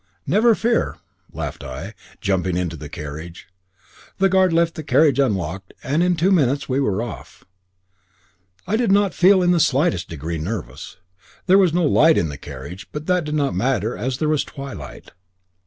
"Never fear," laughed I, jumping into the carriage. The guard left the carriage unlocked, and in two minutes we were off. I did not feel in the slightest degree nervous. There was no light in the carriage, but that did not matter, as there was twilight.